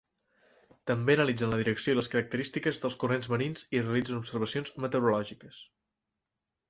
També analitzen la direcció i les característiques dels corrents marins i realitzen observacions meteorològiques.